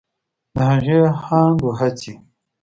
د هغې هاند و هڅې